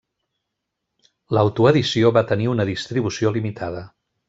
L'autoedició va tenir una distribució limitada.